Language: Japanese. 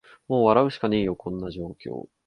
もう笑うしかねーよ、こんな状況